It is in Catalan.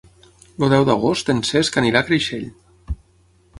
El deu d'agost en Cesc anirà a Creixell.